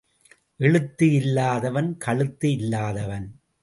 எழுத்து இல்லாதவன் கழுத்து இல்லாதவன்.